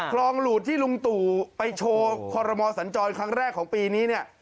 คลองหลูดที่ลุงตู่ไปโชว์คอรมอสัญจรครั้งแรกของปีนี้เนี่ย